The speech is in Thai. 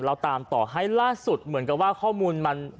เราตามต่อให้ล่าสุดเหมือนกับว่าข้อมูลมัน